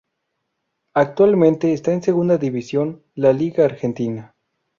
Actualmente está en segunda división, La Liga Argentina.